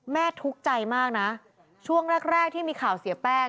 ทุกข์ใจมากนะช่วงแรกที่มีข่าวเสียแป้ง